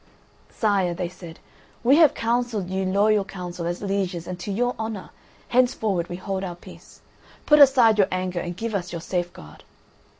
"Sire," they said, "we have counselled you loyal counsel as lieges and to your honour; henceforward we hold our peace. Put aside your anger and give us your safe guard."